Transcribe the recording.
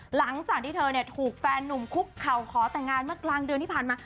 หลังจากที่เธอถูกแฟนนุ่มคุกเข่าขอแต่งงานเมื่อกลางเดือนที่ผ่านมา